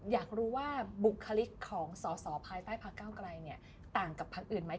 อยากรู้ว่าบุคลิกของสอสอภายใต้พักเก้าไกลเนี่ยต่างกับพักอื่นไหม